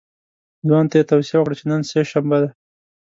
ځوان ته یې توصیه وکړه چې نن سه شنبه ده.